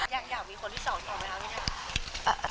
อยากมีคนที่สองต่อไปแล้วหรือเปล่า